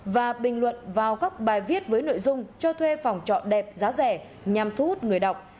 và bình luận vào các bài viết với nội dung cho thuê phòng trọ đẹp giá rẻ nhằm thu hút người đọc